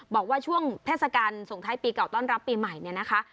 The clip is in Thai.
บอกว่าช่วงเทศกาลส่งท้ายปีเก่าต้อนรับปีใหม่เนี่ยนะคะ